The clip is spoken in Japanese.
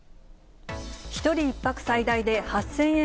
１人１泊最大で８０００円